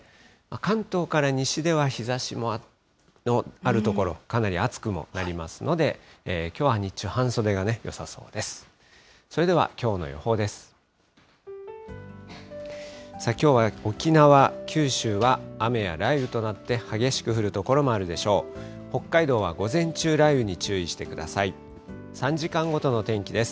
関東から西では日ざしのある所、かなり暑くもなりますので、きょうは日中、半袖がね、よさそうです。